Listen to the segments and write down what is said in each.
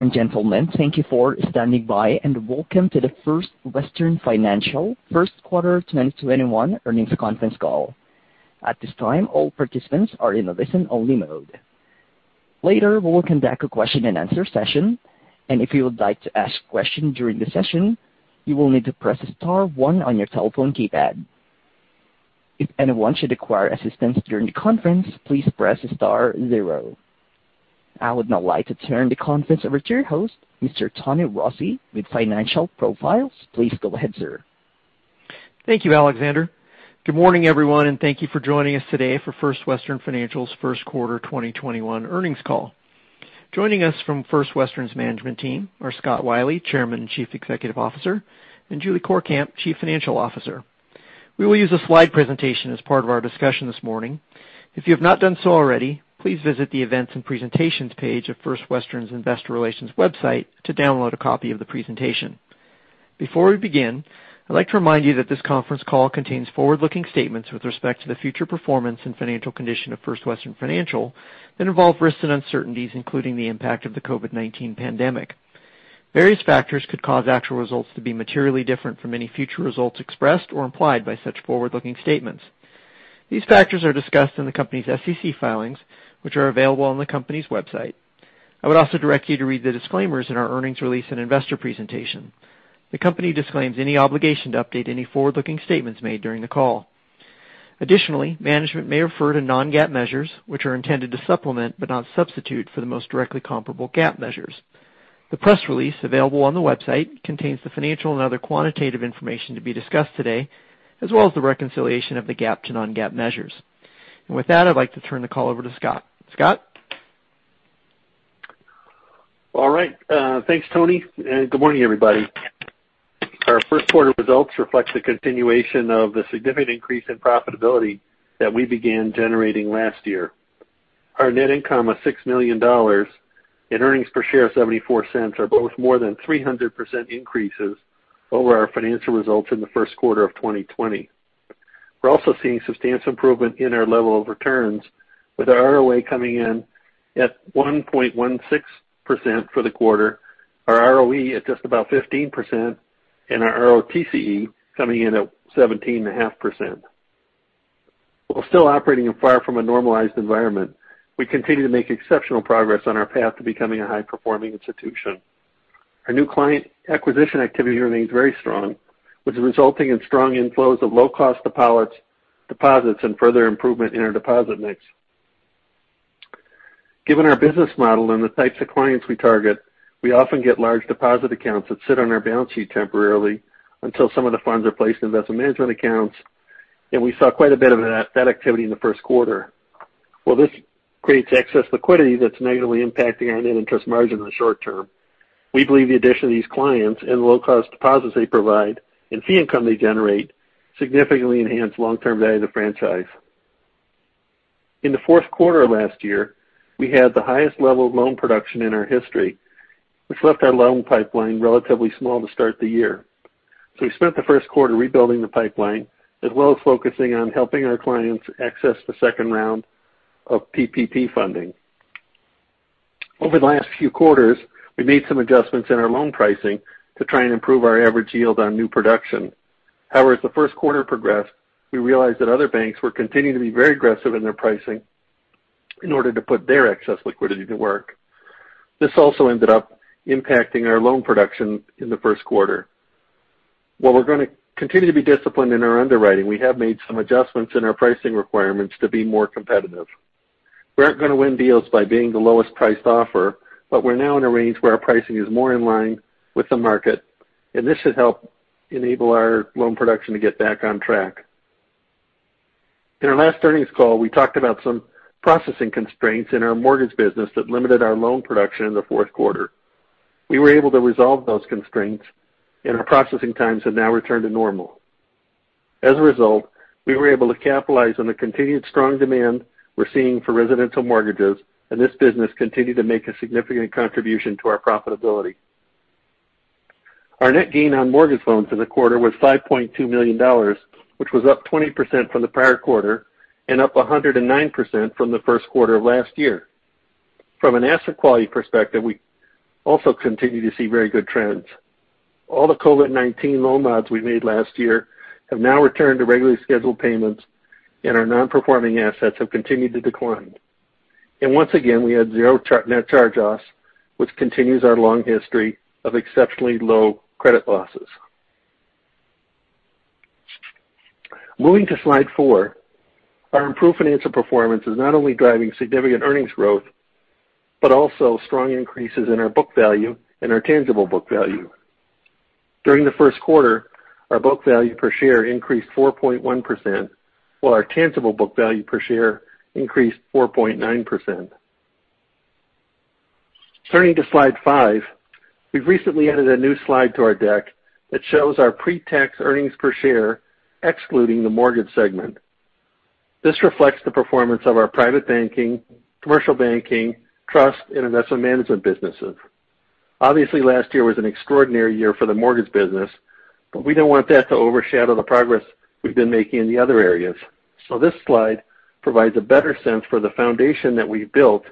Ladies and gentlemen, thank you for standing by, and welcome to the First Western Financial First Quarter 2021 earnings conference call. At this time, all participants are in listen-only mode. Later, we'll conduct a question and answer session, and if you would like to ask a question during the session, you will need to press star one on your telephone keypad. If anyone should require assistance during the conference, please press star zero. I would now like to turn the conference over to your host, Mr. Tony Rossi with Financial Profiles. Please go ahead, sir. Thank you, Alexander. Good morning, everyone, and thank you for joining us today for First Western Financial's first quarter 2021 earnings call. Joining us from First Western's management team are Scott Wylie, Chairman and Chief Executive Officer, and Julie Courkamp, Chief Financial Officer. We will use a slide presentation as part of our discussion this morning. If you have not done so already, please visit the Events and Presentations page of First Western's Investor Relations website to download a copy of the presentation. Before we begin, I'd like to remind you that this conference call contains forward-looking statements with respect to the future performance and financial condition of First Western Financial that involve risks and uncertainties, including the impact of the COVID-19 pandemic. Various factors could cause actual results to be materially different from any future results expressed or implied by such forward-looking statements. These factors are discussed in the company's SEC filings, which are available on the company's website. I would also direct you to read the disclaimers in our earnings release and investor presentation. The company disclaims any obligation to update any forward-looking statements made during the call. Additionally, management may refer to non-GAAP measures, which are intended to supplement, but not substitute, for the most directly comparable GAAP measures. The press release available on the website contains the financial and other quantitative information to be discussed today, as well as the reconciliation of the GAAP to non-GAAP measures. With that, I'd like to turn the call over to Scott. Scott? All right. Thanks, Tony. Good morning, everybody. Our first quarter results reflect the continuation of the significant increase in profitability that we began generating last year. Our net income was $6 million, and earnings per share of $0.74 are both more than 300% increases over our financial results in the first quarter of 2020. We're also seeing substantial improvement in our level of returns with our ROA coming in at 1.16% for the quarter, our ROE at just about 15%, and our ROTCE coming in at 17.5%. While still operating far from a normalized environment, we continue to make exceptional progress on our path to becoming a high-performing institution. Our new client acquisition activity remains very strong, which is resulting in strong inflows of low-cost deposits and further improvement in our deposit mix. Given our business model and the types of clients we target, we often get large deposit accounts that sit on our balance sheet temporarily until some of the funds are placed in investment management accounts, and we saw quite a bit of that activity in the first quarter. While this creates excess liquidity that's negatively impacting our net interest margin in the short term, we believe the addition of these clients and the low-cost deposits they provide and fee income they generate significantly enhance long-term value of the franchise. In the fourth quarter of last year, we had the highest level of loan production in our history, which left our loan pipeline relatively small to start the year. We spent the first quarter rebuilding the pipeline, as well as focusing on helping our clients access the second round of PPP funding. Over the last few quarters, we made some adjustments in our loan pricing to try and improve our average yield on new production. However, as the first quarter progressed, we realized that other banks were continuing to be very aggressive in their pricing in order to put their excess liquidity to work. This also ended up impacting our loan production in the first quarter. While we're going to continue to be disciplined in our underwriting, we have made some adjustments in our pricing requirements to be more competitive. We aren't going to win deals by being the lowest priced offer, but we're now in a range where our pricing is more in line with the market, and this should help enable our loan production to get back on track. In our last earnings call, we talked about some processing constraints in our mortgage business that limited our loan production in the fourth quarter. We were able to resolve those constraints, and our processing times have now returned to normal. As a result, we were able to capitalize on the continued strong demand we're seeing for residential mortgages, and this business continued to make a significant contribution to our profitability. Our net gain on mortgage loans in the quarter was $5.2 million, which was up 20% from the prior quarter and up 109% from the first quarter of last year. From an asset quality perspective, we also continue to see very good trends. All the COVID-19 loan mods we made last year have now returned to regularly scheduled payments, and our non-performing assets have continued to decline. Once again, we had zero net charge-offs, which continues our long history of exceptionally low credit losses. Moving to slide four. Our improved financial performance is not only driving significant earnings growth, but also strong increases in our book value and our tangible book value. During the first quarter, our book value per share increased 4.1%, while our tangible book value per share increased 4.9%. Turning to slide five. We've recently added a new slide to our deck that shows our pre-tax earnings per share excluding the mortgage segment. This reflects the performance of our private banking, commercial banking, trust, and investment management businesses. Obviously, last year was an extraordinary year for the mortgage business. We don't want that to overshadow the progress we've been making in the other areas. This slide provides a better sense for the foundation that we've built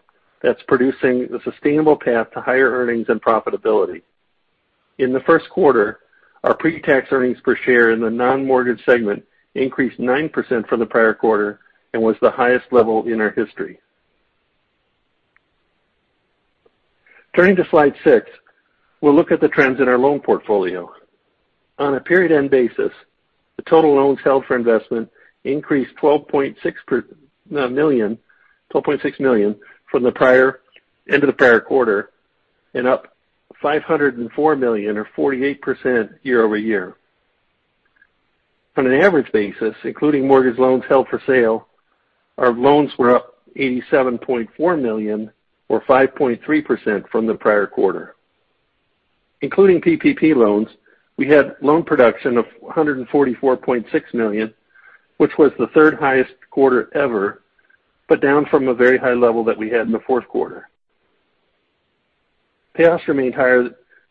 that's producing the sustainable path to higher earnings and profitability. In the first quarter, our pre-tax earnings per share in the non-mortgage segment increased 9% from the prior quarter and was the highest level in our history. Turning to slide six, we'll look at the trends in our loan portfolio. On a period end basis, the total loans held for investment increased $12.6 million from the end of the prior quarter and up $504 million or 48% year-over-year. On an average basis, including mortgage loans held for sale, our loans were up $87.4 million or 5.3% from the prior quarter. Including PPP loans, we had loan production of $144.6 million, which was the third highest quarter ever, but down from a very high level that we had in the fourth quarter. Payoffs remained higher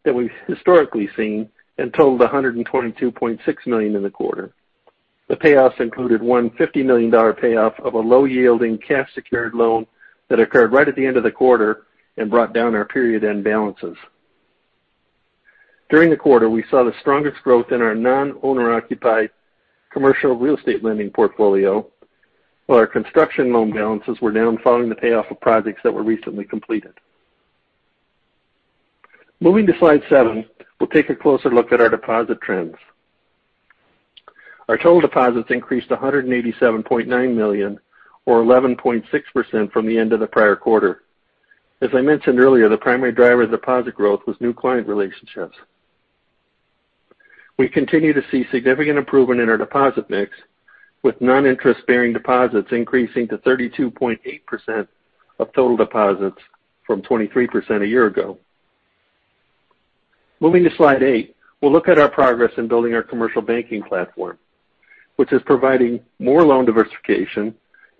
than we've historically seen and totaled $122.6 million in the quarter. The payoffs included one $50 million payoff of a low-yielding cash secured loan that occurred right at the end of the quarter and brought down our period end balances. During the quarter, we saw the strongest growth in our non-owner occupied commercial real estate lending portfolio, while our construction loan balances were down following the payoff of projects that were recently completed. Moving to slide seven, we'll take a closer look at our deposit trends. Our total deposits increased to $1.879 billion or 11.6% from the end of the prior quarter. As I mentioned earlier, the primary driver of deposit growth was new client relationships. We continue to see significant improvement in our deposit mix, with non-interest bearing deposits increasing to 32.8% of total deposits from 23% a year ago. Moving to slide eight, we'll look at our progress in building our commercial banking platform, which is providing more loan diversification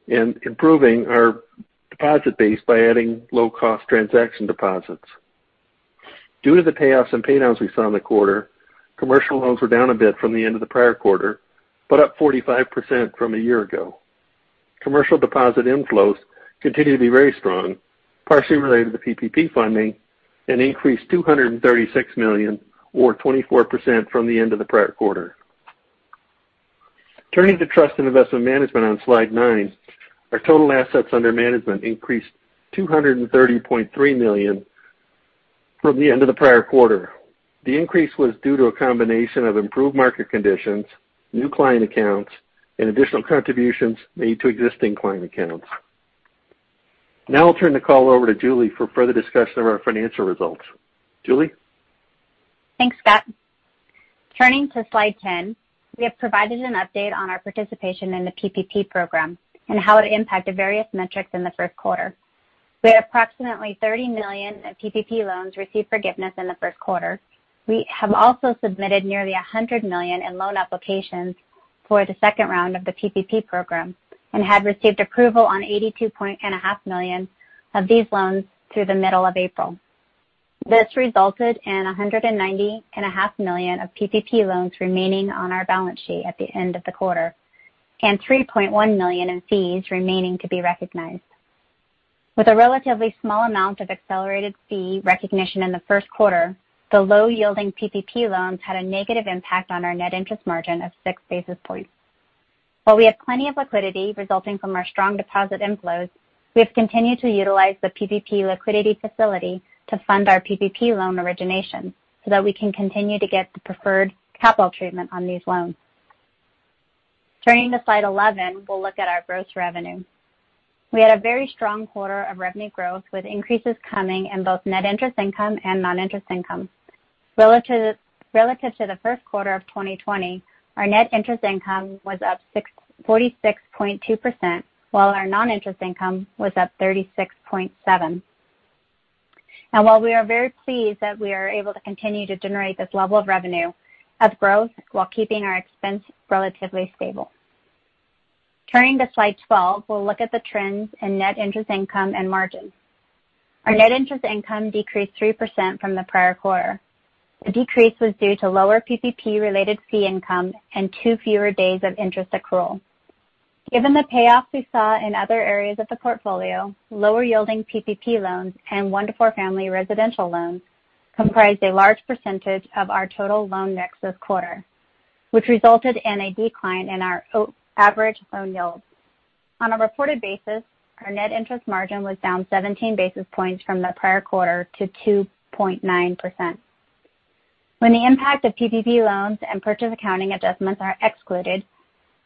and improving our deposit base by adding low-cost transaction deposits. Due to the payoffs and pay downs we saw in the quarter, commercial loans were down a bit from the end of the prior quarter, but up 45% from a year ago. Commercial deposit inflows continue to be very strong, partially related to PPP funding, and increased $236 million or 24% from the end of the prior quarter. Turning to trust and assets under management on slide nine, our total assets under management increased $230.3 million from the end of the prior quarter. The increase was due to a combination of improved market conditions, new client accounts, and additional contributions made to existing client accounts. Now I'll turn the call over to Julie for further discussion of our financial results. Julie? Thanks, Scott. Turning to slide 10, we have provided an update on our participation in the PPP program and how it impacted various metrics in the first quarter. We had approximately $30 million in PPP loans receive forgiveness in the first quarter. We have also submitted nearly $100 million in loan applications for the second round of the PPP program and had received approval on $82.5 million of these loans through the middle of April. This resulted in $190.5 million of PPP loans remaining on our balance sheet at the end of the quarter and $3.1 million in fees remaining to be recognized. With a relatively small amount of accelerated fee recognition in the first quarter, the low yielding PPP loans had a negative impact on our net interest margin of six basis points. While we have plenty of liquidity resulting from our strong deposit inflows, we have continued to utilize the PPP liquidity facility to fund our PPP loan origination so that we can continue to get the preferred capital treatment on these loans. Turning to slide 11, we'll look at our gross revenue. We had a very strong quarter of revenue growth with increases coming in both net interest income and non-interest income. Relative to the first quarter of 2020, our net interest income was up 46.2%, while our non-interest income was up 36.7%. While we are very pleased that we are able to continue to generate this level of revenue of growth while keeping our expense relatively stable. Turning to slide 12, we'll look at the trends in net interest income and margin. Our net interest income decreased 3% from the prior quarter. The decrease was due to lower PPP related fee income and two fewer days of interest accrual. Given the payoffs we saw in other areas of the portfolio, lower yielding PPP loans and one to four family residential loans comprised a large percentage of our total loan mix this quarter, which resulted in a decline in our average loan yield. On a reported basis, our net interest margin was down 17 basis points from the prior quarter to 2.9%. When the impact of PPP loans and purchase accounting adjustments are excluded,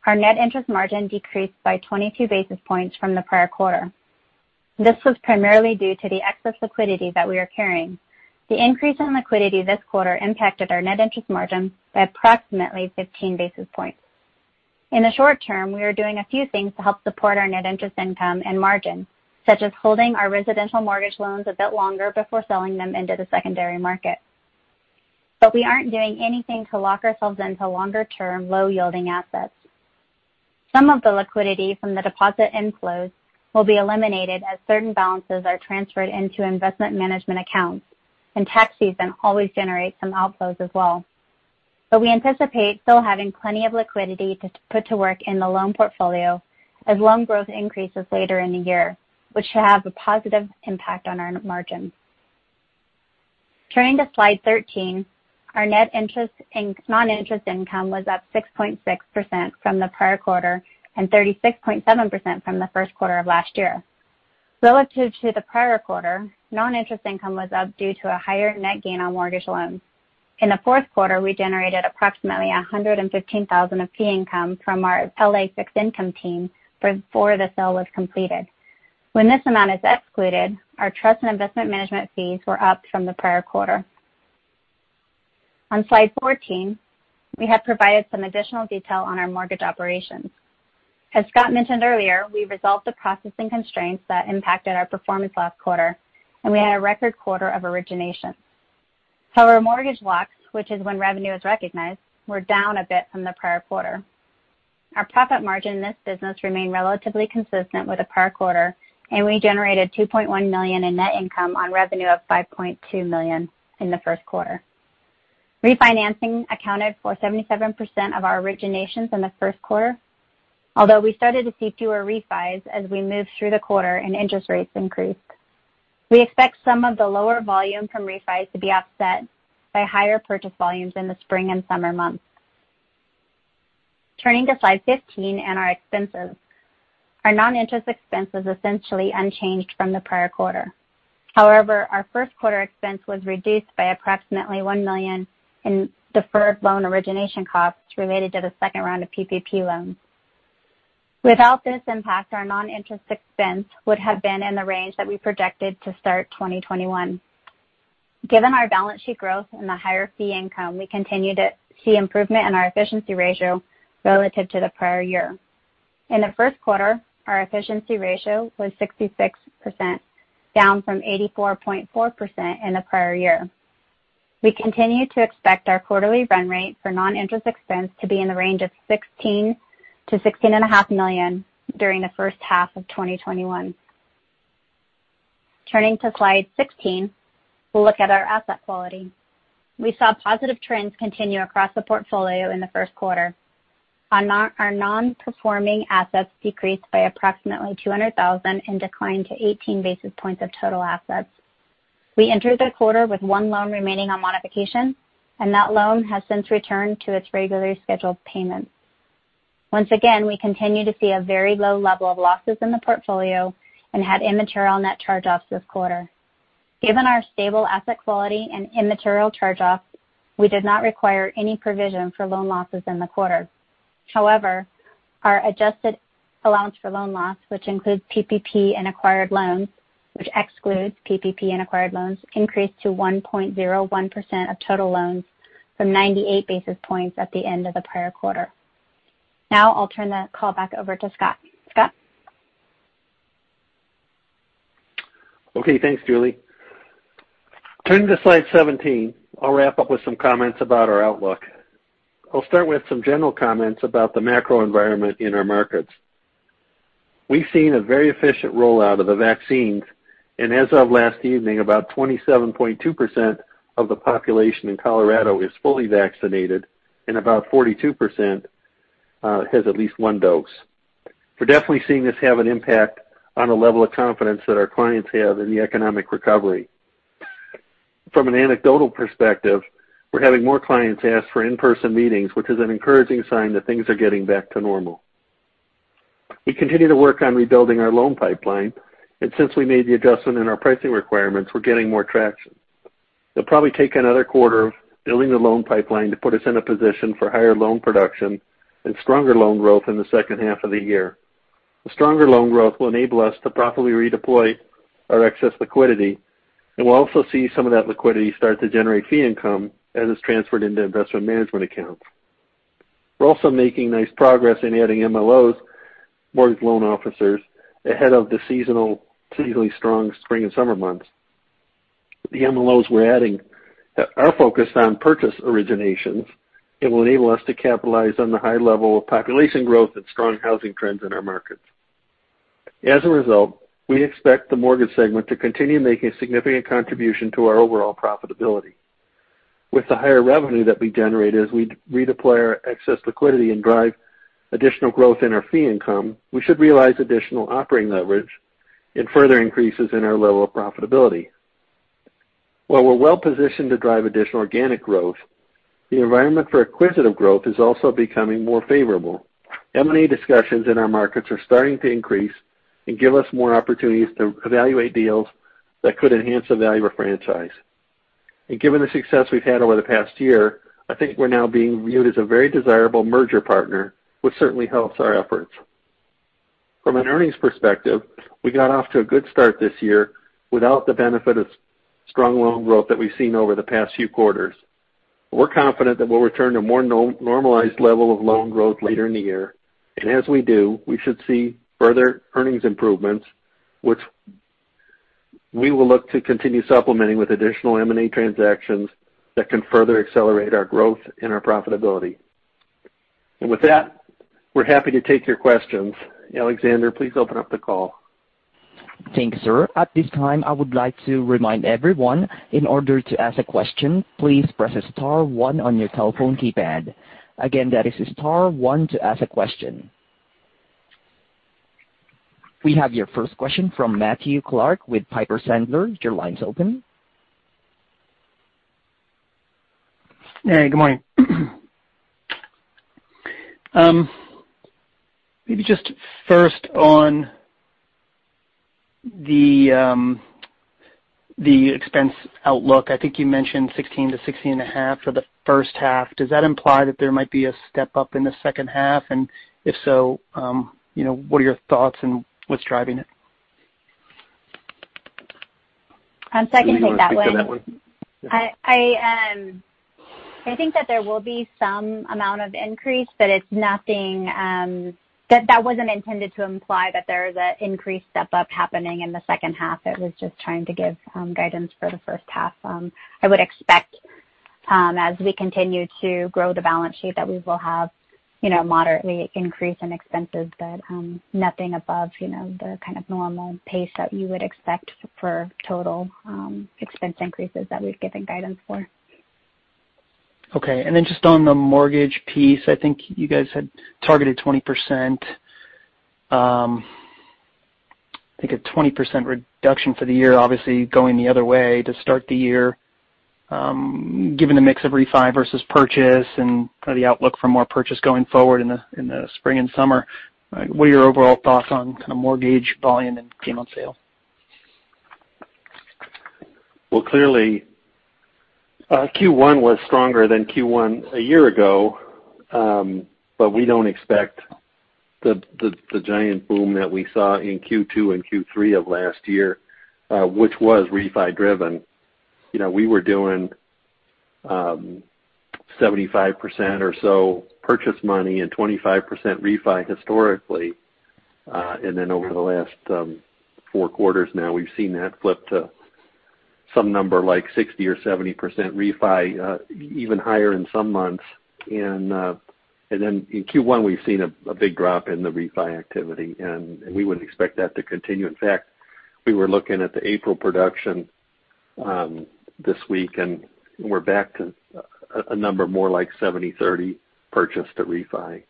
our net interest margin decreased by 22 basis points from the prior quarter. This was primarily due to the excess liquidity that we are carrying. The increase in liquidity this quarter impacted our net interest margin by approximately 15 basis points. In the short term, we are doing a few things to help support our net interest income and margin, such as holding our residential mortgage loans a bit longer before selling them into the secondary market. We aren't doing anything to lock ourselves into longer-term, low-yielding assets. Some of the liquidity from the deposit inflows will be eliminated as certain balances are transferred into investment management accounts, and tax season always generates some outflows as well. We anticipate still having plenty of liquidity to put to work in the loan portfolio as loan growth increases later in the year, which should have a positive impact on our margins. Turning to slide 13, our net interest and non-interest income was up 6.6% from the prior quarter and 36.7% from the first quarter of last year. Relative to the prior quarter, non-interest income was up due to a higher net gain on mortgage loans. In the fourth quarter, we generated approximately $115,000 of fee income from our L.A. fixed income team before the sale was completed. When this amount is excluded, our trust and investment management fees were up from the prior quarter. On slide 14, we have provided some additional detail on our mortgage operations. As Scott mentioned earlier, we resolved the processing constraints that impacted our performance last quarter. We had a record quarter of originations. Mortgage locks, which is when revenue is recognized, were down a bit from the prior quarter. Our profit margin in this business remained relatively consistent with the prior quarter. We generated $2.1 million in net income on revenue of $5.2 million in the first quarter. Refinancing accounted for 77% of our originations in the first quarter, although we started to see fewer refis as we moved through the quarter and interest rates increased. We expect some of the lower volume from refis to be offset by higher purchase volumes in the spring and summer months. Turning to slide 15 and our expenses. Our non-interest expense was essentially unchanged from the prior quarter. However, our first quarter expense was reduced by approximately $1 million in deferred loan origination costs related to the second round of PPP loans. Without this impact, our non-interest expense would have been in the range that we projected to start 2021. Given our balance sheet growth and the higher fee income, we continue to see improvement in our efficiency ratio relative to the prior year. In the first quarter, our efficiency ratio was 66%, down from 84.4% in the prior year. We continue to expect our quarterly run rate for non-interest expense to be in the range of $16 million-$16.5 million during the first half of 2021. Turning to slide 16, we'll look at our asset quality. We saw positive trends continue across the portfolio in the first quarter. Our non-performing assets decreased by approximately $200,000 and declined to 18 basis points of total assets. We entered the quarter with one loan remaining on modification, and that loan has since returned to its regularly scheduled payments. Once again, we continue to see a very low level of losses in the portfolio and had immaterial net charge-offs this quarter. Given our stable asset quality and immaterial charge-offs, we did not require any provision for loan losses in the quarter. Our adjusted allowance for loan loss, which excludes PPP and acquired loans, increased to 1.01% of total loans from 98 basis points at the end of the prior quarter. I'll turn the call back over to Scott. Scott? Okay, thanks, Julie. Turning to slide 17, I'll wrap up with some comments about our outlook. I'll start with some general comments about the macro environment in our markets. We've seen a very efficient rollout of the vaccines, and as of last evening, about 27.2% of the population in Colorado is fully vaccinated, and about 42% has at least one dose. We're definitely seeing this have an impact on the level of confidence that our clients have in the economic recovery. From an anecdotal perspective, we're having more clients ask for in-person meetings, which is an encouraging sign that things are getting back to normal. We continue to work on rebuilding our loan pipeline, and since we made the adjustment in our pricing requirements, we're getting more traction. It'll probably take another quarter of building the loan pipeline to put us in a position for higher loan production and stronger loan growth in the second half of the year. The stronger loan growth will enable us to properly redeploy our excess liquidity, and we'll also see some of that liquidity start to generate fee income as it's transferred into investment management accounts. We're also making nice progress in adding MLOs, mortgage loan officers, ahead of the seasonally strong spring and summer months. The MLOs we're adding are focused on purchase originations and will enable us to capitalize on the high level of population growth and strong housing trends in our markets. As a result, we expect the mortgage segment to continue making a significant contribution to our overall profitability. With the higher revenue that we generate as we redeploy our excess liquidity and drive additional growth in our fee income, we should realize additional operating leverage and further increases in our level of profitability. While we're well positioned to drive additional organic growth, the environment for acquisitive growth is also becoming more favorable. M&A discussions in our markets are starting to increase and give us more opportunities to evaluate deals that could enhance the value of our franchise. Given the success we've had over the past year, I think we're now being viewed as a very desirable merger partner, which certainly helps our efforts. From an earnings perspective, we got off to a good start this year without the benefit of strong loan growth that we've seen over the past few quarters. We're confident that we'll return to more normalized level of loan growth later in the year. As we do, we should see further earnings improvements, which we will look to continue supplementing with additional M&A transactions that can further accelerate our growth and our profitability. With that, we're happy to take your questions. Alexander, please open up the call. Thanks, sir. At this time, I would like to remind everyone, in order to ask a question, please press star one on your telephone keypad. Again, that is star one to ask a question. We have your first question from Matthew Clark with Piper Sandler. Your line's open. Hey, good morning. Maybe just first on the expense outlook. I think you mentioned $16 to $16.5 for the first half. Does that imply that there might be a step up in the second half? If so, what are your thoughts and what's driving it? I can take that one. You want to take that one? Yeah. I think that there will be some amount of increase, but that wasn't intended to imply that there is an increased step-up happening in the second half. It was just trying to give guidance for the first half. I would expect, as we continue to grow the balance sheet, that we will have moderately increase in expenses, but nothing above the kind of normal pace that you would expect for total expense increases that we've given guidance for. Okay. Just on the mortgage piece, I think you guys had targeted 20%. I think a 20% reduction for the year, obviously going the other way to start the year. Given the mix of refi versus purchase and the outlook for more purchase going forward in the spring and summer, what are your overall thoughts on kind of mortgage volume and gain on sale? Well, clearly Q1 was stronger than Q1 a year ago. We don't expect the giant boom that we saw in Q2 and Q3 of last year, which was refi-driven. We were doing 75% or so purchase money and 25% refi historically. Over the last four quarters now, we've seen that flip to some number like 60% or 70% refi, even higher in some months. In Q1, we've seen a big drop in the refi activity, and we wouldn't expect that to continue. In fact, we were looking at the April production this week, and we're back to a number more like 70-30 purchase to refi.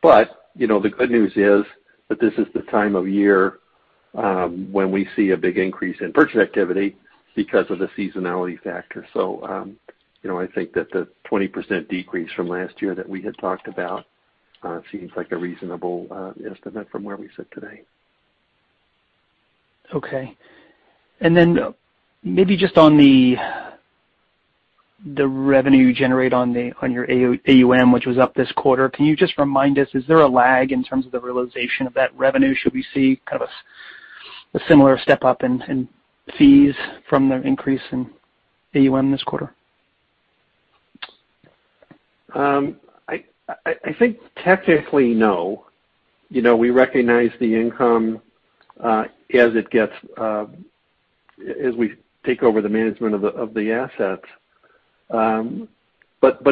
The good news is that this is the time of year when we see a big increase in purchase activity because of the seasonality factor. I think that the 20% decrease from last year that we had talked about seems like a reasonable estimate from where we sit today. Okay. Maybe just on the revenue you generate on your AUM, which was up this quarter. Can you just remind us, is there a lag in terms of the realization of that revenue? Should we see kind of a similar step up in fees from the increase in AUM this quarter? I think technically, no. We recognize the income as we take over the management of the assets.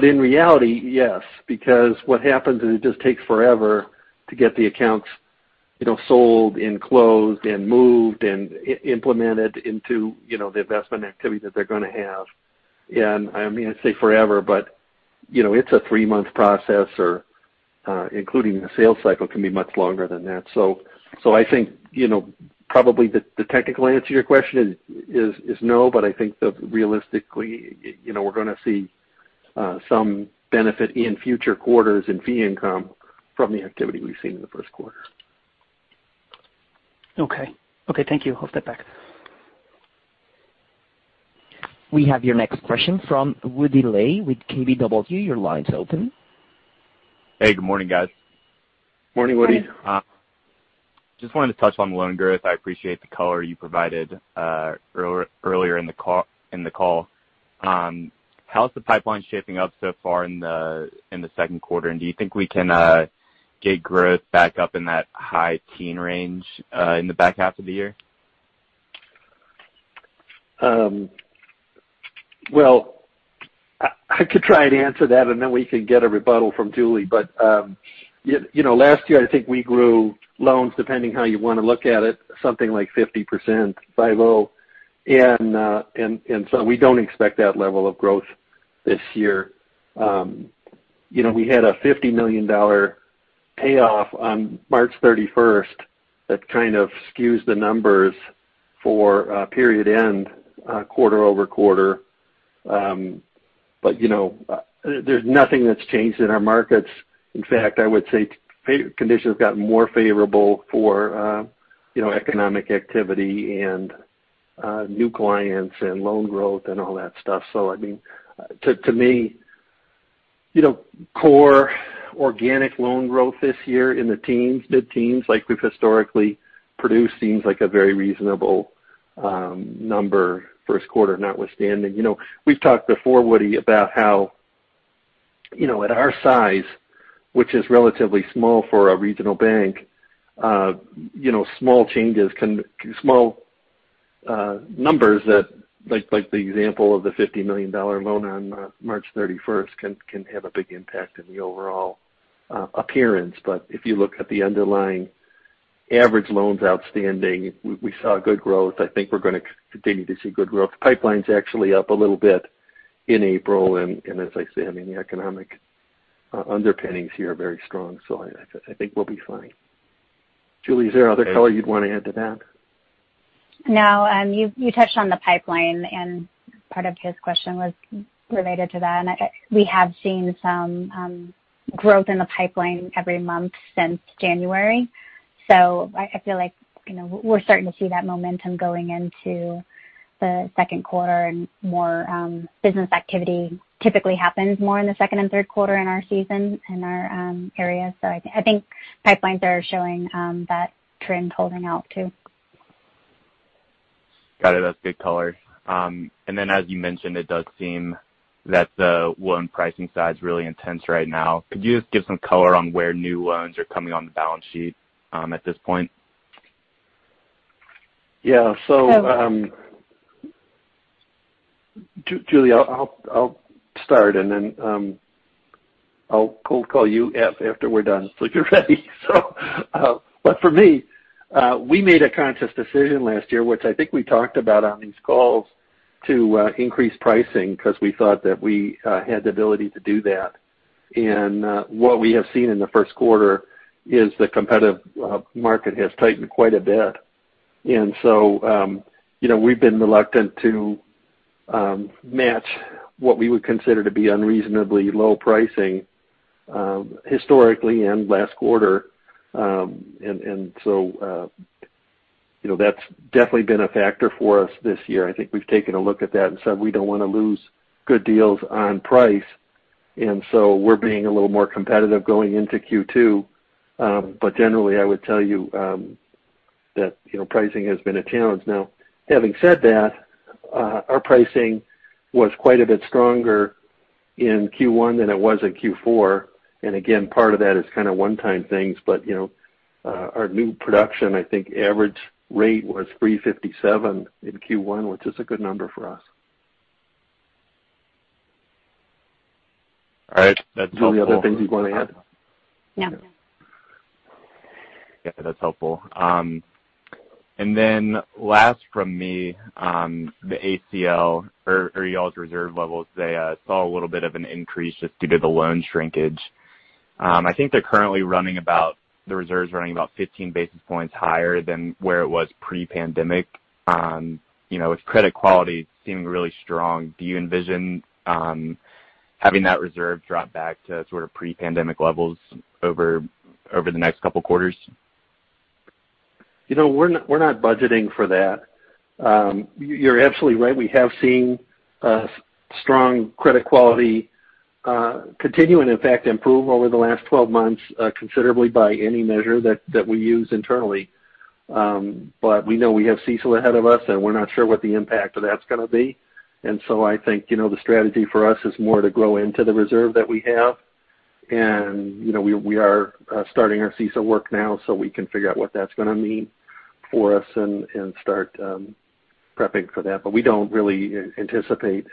In reality, yes, because what happens is it just takes forever to get the accounts sold and closed and moved and implemented into the investment activity that they're going to have. I say forever, but it's a three-month process or including the sales cycle, can be much longer than that. I think, probably the technical answer to your question is no, but I think that realistically, we're going to see some benefit in future quarters in fee income from the activity we've seen in the first quarter. Okay. Thank you. I'll step back. We have your next question from Woody Lay with KBW. Your line's open. Hey, good morning, guys. Morning, Woody. Morning. Just wanted to touch on loan growth. I appreciate the color you provided earlier in the call. How's the pipeline shaping up so far in the second quarter? Do you think we can get growth back up in that high teen range, in the back half of the year? I could try to answer that, and then we can get a rebuttal from Julie. Last year, I think we grew loans, depending how you want to look at it, something like 50% or so. We don't expect that level of growth this year. We had a $50 million payoff on March 31 that kind of skews the numbers for period end quarter-over-quarter. There's nothing that's changed in our markets. I would say conditions have gotten more favorable for economic activity and new clients and loan growth and all that stuff. I mean, to me, core organic loan growth this year in the mid-teens like we've historically produced seems like a very reasonable number first quarter notwithstanding. We've talked before, Woody, about how at our size, which is relatively small for a regional bank, small numbers, like the example of the $50 million loan on March 31, can have a big impact in the overall appearance. If you look at the underlying average loans outstanding, we saw good growth. I think we're going to continue to see good growth. Pipeline's actually up a little bit in April. As I say, the economic underpinnings here are very strong. I think we'll be fine. Julie, is there other color you'd want to add to that? No. You touched on the pipeline, and part of his question was related to that. We have seen some growth in the pipeline every month since January. I feel like we're starting to see that momentum going into the second quarter and more business activity typically happens more in the second and third quarter in our season, in our area. I think pipelines are showing that trend holding out, too. Got it. That's good color. As you mentioned, it does seem that the loan pricing side's really intense right now. Could you just give some color on where new loans are coming on the balance sheet at this point? Yeah. Okay. Julie, I will start, and then I will call you after we're done, so get ready. For me, we made a conscious decision last year, which I think we talked about on these calls, to increase pricing because we thought that we had the ability to do that. What we have seen in the first quarter is the competitive market has tightened quite a bit. We've been reluctant to match what we would consider to be unreasonably low pricing, historically and last quarter. That's definitely been a factor for us this year. I think we've taken a look at that and said we don't want to lose good deals on price. We're being a little more competitive going into Q2. Generally, I would tell you that pricing has been a challenge. Now, having said that, our pricing was quite a bit stronger in Q1 than it was in Q4. Again, part of that is kind of one-time things. Our new production, I think average rate was 3.57% in Q1, which is a good number for us. All right. That's helpful. Julie, other things you'd want to add? No. Yeah, that's helpful. Last from me, the ACL or y'all's reserve levels, they saw a little bit of an increase just due to the loan shrinkage. I think the reserves running about 15 basis points higher than where it was pre-pandemic. With credit quality seeming really strong, do you envision having that reserve drop back to pre-pandemic levels over the next couple quarters? We're not budgeting for that. You're absolutely right. We have seen a strong credit quality continue and in fact improve over the last 12 months, considerably by any measure that we use internally. We know we have CECL ahead of us, and we're not sure what the impact of that's going to be. I think, the strategy for us is more to grow into the reserve that we have. We are starting our CECL work now so we can figure out what that's going to mean for us and start prepping for that. We don't really anticipate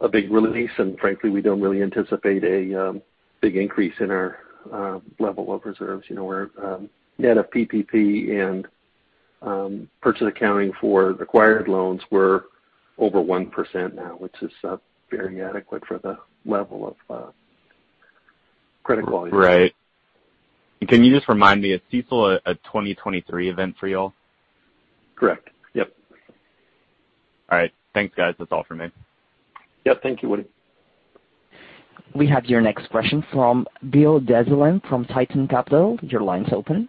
a big release, and frankly, we don't really anticipate a big increase in our level of reserves. We're net of PPP and purchase accounting for acquired loans, we're over 1% now, which is very adequate for the level of credit quality. Right. Can you just remind me, is CECL a 2023 event for you all? Correct. Yep. All right. Thanks, guys. That's all for me. Yep. Thank you, Woody. We have your next question from Bill Dezellem from Tieton Capital. Your line's open.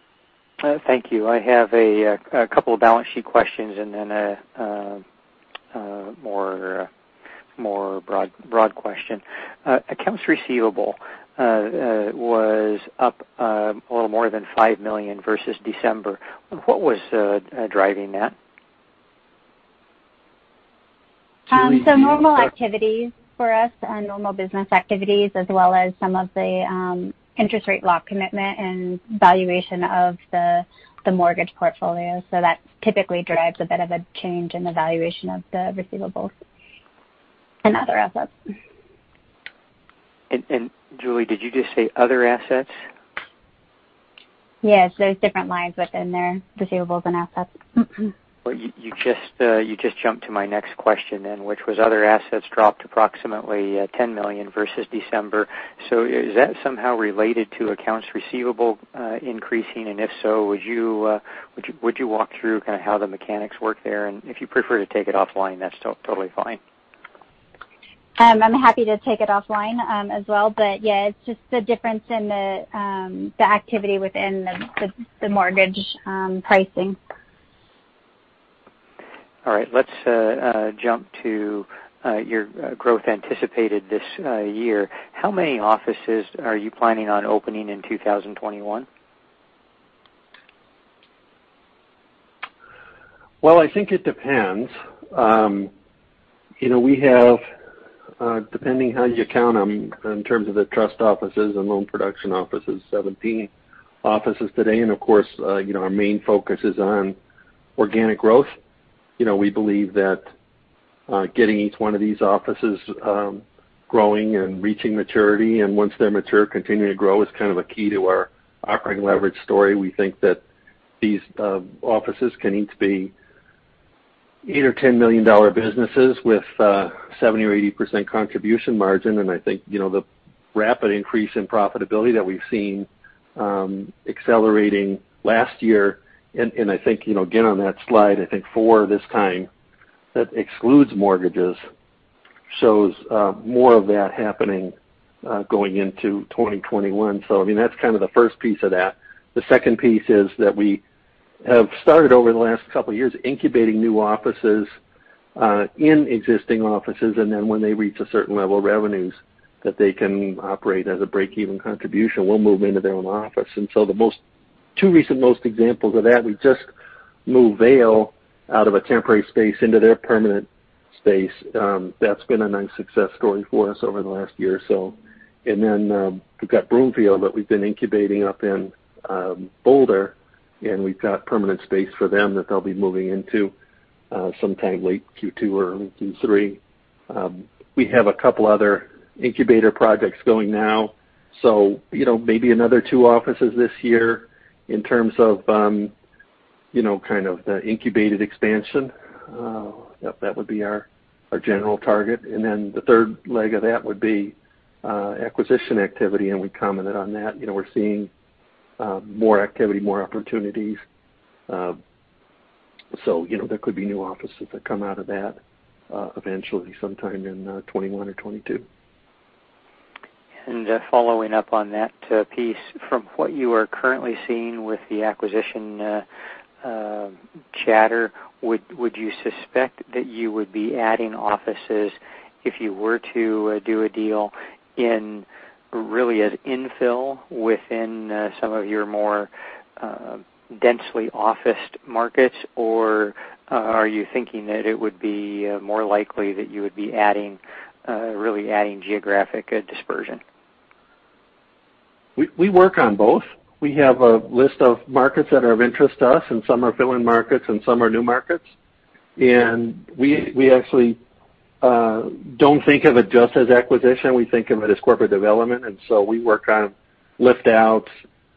Thank you. I have a couple of balance sheet questions and then a more broad question. Accounts receivable was up a little more than $5 million versus December. What was driving that? Julie, Normal activities for us, normal business activities, as well as some of the interest rate lock commitment and valuation of the mortgage portfolio. That typically drives a bit of a change in the valuation of the receivables and other assets. Julie, did you just say other assets? Yes. There's different lines within there, receivables and assets. Well, you just jumped to my next question then, which was other assets dropped approximately $10 million versus December. Is that somehow related to accounts receivable increasing? If so, would you walk through kind of how the mechanics work there? If you prefer to take it offline, that's totally fine. I'm happy to take it offline as well. Yeah, it's just the difference in the activity within the mortgage pricing. All right. Let's jump to your growth anticipated this year. How many offices are you planning on opening in 2021? Well, I think it depends. We have, depending how you count them, in terms of the trust offices and loan production offices, 17 offices today. Of course, our main focus is on organic growth. We believe that getting each one of these offices growing and reaching maturity, and once they're mature, continuing to grow is kind of a key to our operating leverage story. We think that these offices can each be $8 million or $10 million businesses with 70% or 80% contribution margin. I think, the rapid increase in profitability that we've seen accelerating last year, and I think, again, on that slide four this time, that excludes mortgages, shows more of that happening, going into 2021. I mean, that's kind of the first piece of that. The second piece is that we have started over the last couple of years incubating new offices, in existing offices, and then when they reach a certain level of revenues that they can operate as a break-even contribution, we'll move into their own office. The two recent most examples of that, we just moved Vail out of a temporary space into their permanent space. That's been a nice success story for us over the last year or so. We've got Broomfield that we've been incubating up in Boulder, and we've got permanent space for them that they'll be moving into, sometime late Q2 or early Q3. We have a couple other incubator projects going now, so maybe another two offices this year in terms of the incubated expansion. Yep, that would be our general target. The third leg of that would be acquisition activity, and we commented on that. We're seeing more activity, more opportunities. There could be new offices that come out of that, eventually sometime in 2021 or 2022. Following up on that piece, from what you are currently seeing with the acquisition chatter, would you suspect that you would be adding offices if you were to do a deal in really as infill within some of your more densely officed markets? Or are you thinking that it would be more likely that you would be really adding geographic dispersion? We work on both. We have a list of markets that are of interest to us, and some are fill-in markets, and some are new markets. We actually don't think of it just as acquisition. We think of it as corporate development, and so we work on lift-outs,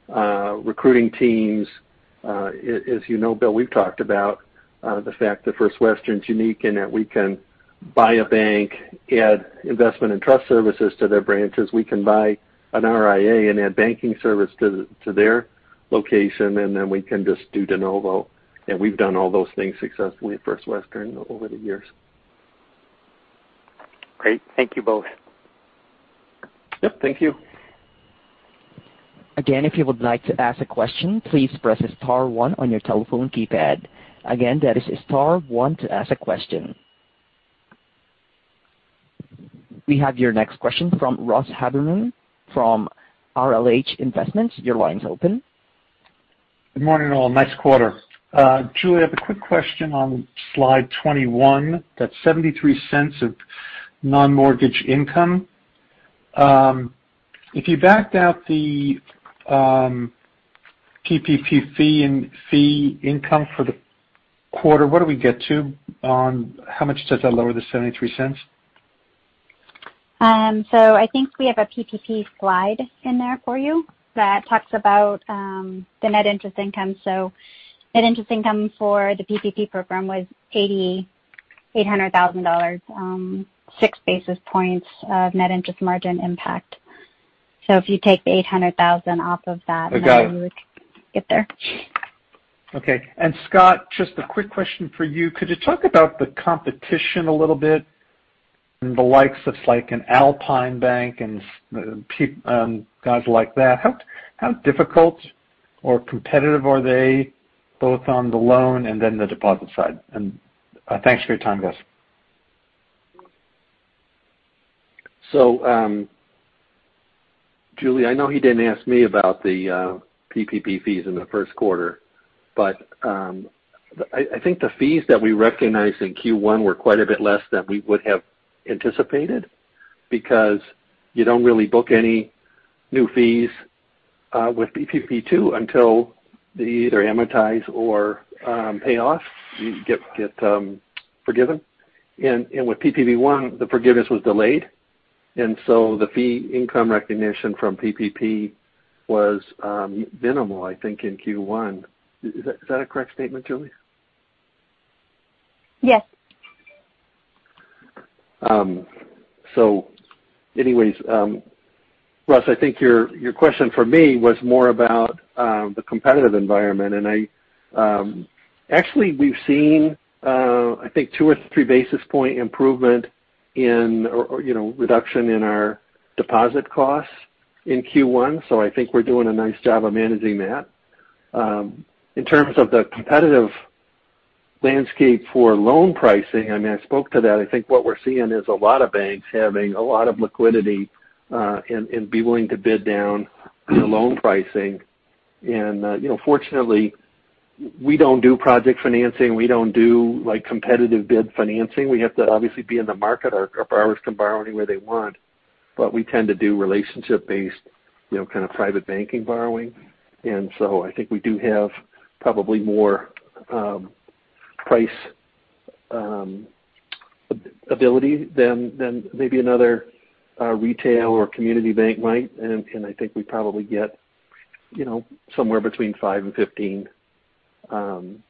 recruiting teams. As you know, Bill, we've talked about the fact that First Western's unique in that we can buy a bank, add investment and trust services to their branches. We can buy an RIA and add banking service to their location, and then we can just do de novo. We've done all those things successfully at First Western over the years. Great. Thank you both. Yep, thank you. Again, if you would like to ask a question, please press star one on your telephone keypad. Again, that is star one to ask a question. We have your next question from Ross Haberman from RLH Investments. Your line's open. Good morning, all. Nice quarter. Julie, I have a quick question on slide 21. That $0.73 of non-mortgage income. If you backed out the PPP fee and fee income for the quarter, what do we get to on how much does that lower the $0.73? I think we have a PPP slide in there for you that talks about the net interest income. Net interest income for the PPP program was $800,000, six basis points of net interest margin impact. If you take the 800,000 off of that. I got it. you would get there. Okay. Scott, just a quick question for you. Could you talk about the competition a little bit and the likes of like an Alpine Bank and guys like that? How difficult or competitive are they, both on the loan and then the deposit side? Thanks for your time, guys. Julie, I know he didn't ask me about the PPP fees in the first quarter, I think the fees that we recognized in Q1 were quite a bit less than we would have anticipated because you don't really book any new fees with PPP2 until they either amortize or pay off, get forgiven. With PPP1, the forgiveness was delayed, the fee income recognition from PPP was minimal, I think, in Q1. Is that a correct statement, Julie? Yes. Anyways, Ross Haberman, I think your question for me was more about the competitive environment. Actually, we've seen, I think two or three basis point improvement in or reduction in our deposit costs in Q1. I think we're doing a nice job of managing that. In terms of the competitive landscape for loan pricing, I mean, I spoke to that. I think what we're seeing is a lot of banks having a lot of liquidity and be willing to bid down the loan pricing. Fortunately, we don't do project financing. We don't do competitive bid financing. We have to obviously be in the market. Our borrowers can borrow anywhere they want, but we tend to do relationship-based kind of private banking borrowing. I think we do have probably more price ability than maybe another retail or community bank might. I think we probably get somewhere between five and 15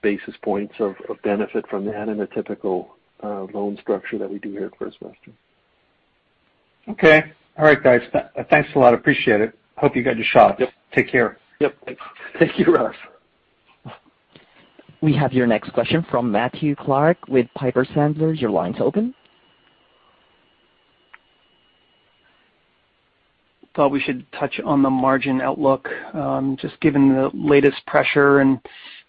basis points of benefit from that in a typical loan structure that we do here at First Western. Okay. All right, guys. Thanks a lot. Appreciate it. Hope you got your shot. Yep. Take care. Yep. Thank you, Ross. We have your next question from Matthew Clark with Piper Sandler. Your line's open. Thought we should touch on the margin outlook, just given the latest pressure and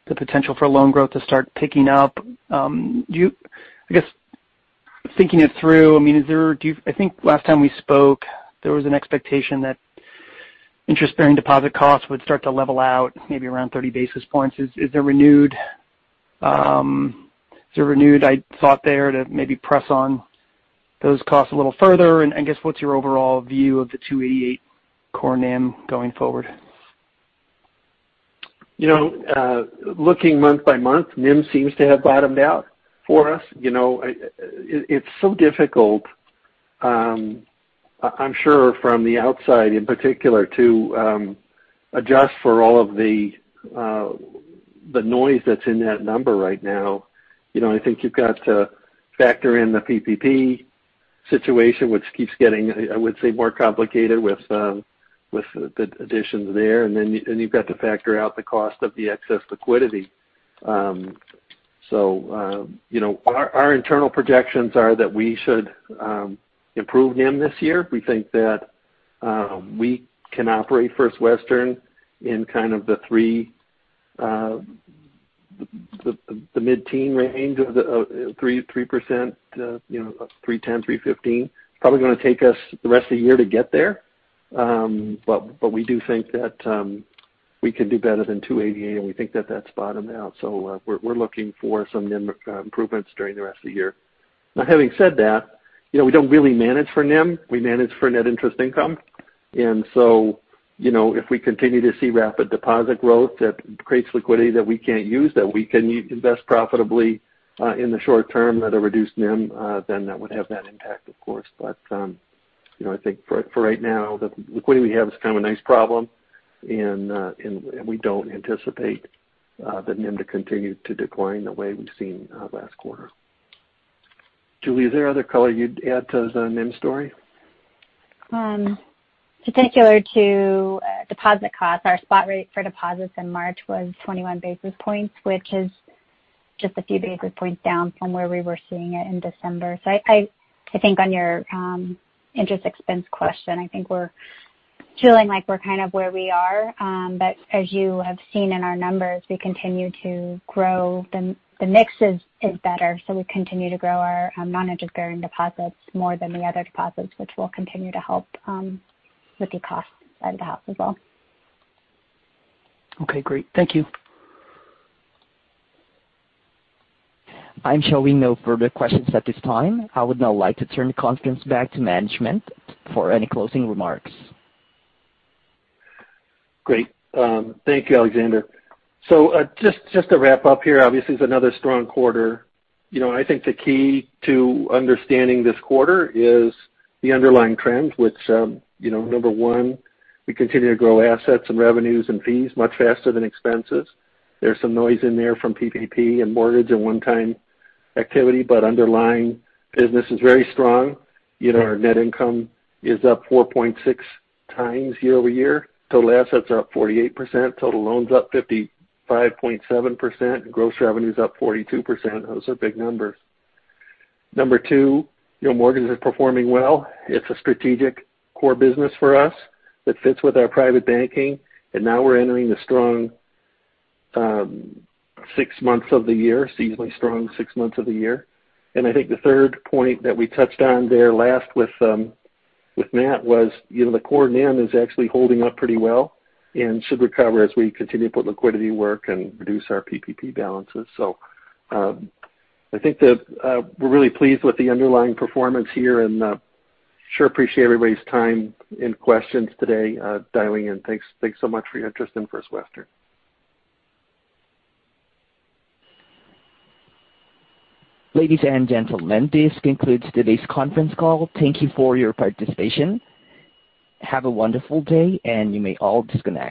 the potential for loan growth to start picking up. I guess, thinking it through, I think last time we spoke, there was an expectation that interest-bearing deposit costs would start to level out maybe around 30 basis points. Is there renewed thought there to maybe press on those costs a little further? I guess what's your overall view of the 2.88 core NIM going forward? Looking month by month, NIM seems to have bottomed out for us. It's so difficult, I'm sure from the outside in particular, to adjust for all of the noise that's in that number right now. I think you've got to factor in the PPP situation, which keeps getting, I would say, more complicated with the additions there. Then you've got to factor out the cost of the excess liquidity. Our internal projections are that we should improve NIM this year. We think that we can operate First Western in kind of the mid-teen range of 3%, 3.10, 3.15. Probably going to take us the rest of the year to get there. We do think that we can do better than 2.88, and we think that that's bottomed out. We're looking for some NIM improvements during the rest of the year. Having said that, we don't really manage for NIM, we manage for net interest income. If we continue to see rapid deposit growth that creates liquidity that we can't use, that we can invest profitably in the short term at a reduced NIM, then that would have that impact, of course. I think for right now, the liquidity we have is kind of a nice problem, and we don't anticipate the NIM to continue to decline the way we've seen last quarter. Julie, is there other color you'd add to the NIM story? Particular to deposit costs, our spot rate for deposits in March was 21 basis points, which is just a few basis points down from where we were seeing it in December. I think on your interest expense question, I think we're feeling like we're kind of where we are. As you have seen in our numbers, we continue to grow. The mix is better, we continue to grow our non-interest bearing deposits more than the other deposits, which will continue to help with the cost side of the house as well. Okay, great. Thank you. I'm showing no further questions at this time. I would now like to turn the conference back to management for any closing remarks. Great. Thank you, Alexander. Just to wrap up here, obviously it's another strong quarter. I think the key to understanding this quarter is the underlying trends, which, number one, we continue to grow assets and revenues and fees much faster than expenses. There's some noise in there from PPP and mortgage and one-time activity, but underlying business is very strong. Our net income is up 4.6 times year-over-year. Total assets are up 48%, total loans up 55.7%, gross revenue's up 42%. Those are big numbers. Number two, mortgage is performing well. It's a strategic core business for us that fits with our private banking. Now we're entering the seasonally strong six months of the year. I think the third point that we touched on there last with Matt was the core NIM is actually holding up pretty well and should recover as we continue to put liquidity to work and reduce our PPP balances. I think that we're really pleased with the underlying performance here and sure appreciate everybody's time and questions today dialing in. Thanks so much for your interest in First Western. Ladies and gentlemen, this concludes today's conference call. Thank you for your participation. Have a wonderful day, and you may all disconnect.